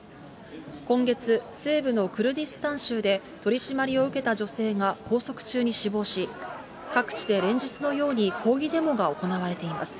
今月、西部のクルディスタン州で取締りを受けた女性が拘束中に死亡し、各地で連日のように抗議デモが行われています。